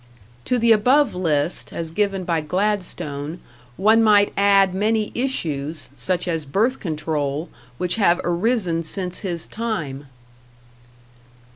To the above list, as given by Gladstone, one might add many issues, such as birth control, which have arisen since his time.